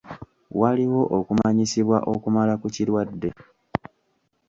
Waliwo okumanyisibwa okumala ku kirwadde.